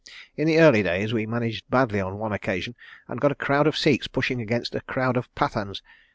... In the early days we managed badly on one occasion and got a crowd of Sikhs pushing against a crowd of Pathans.